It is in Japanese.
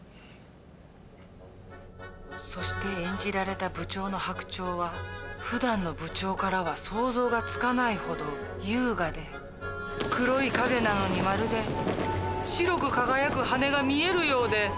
そして演じられた部長の白鳥はふだんの部長からは想像がつかないほど優雅で黒い影なのにまるで白く輝く羽が見えるようで。